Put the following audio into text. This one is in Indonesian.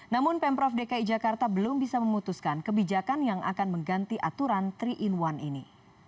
namun pemprov dki jakarta belum bisa memutuskan kebijakan yang akan mengganti aturan tiga in satu ini